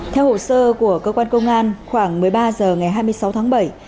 tổ sơ của cơ quan công an khoảng một mươi ba h ngày hai mươi sáu tháng bảy